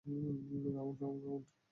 Round, round, round এবং round!